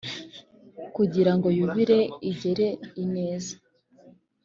kugira ngo Yubile igere ineza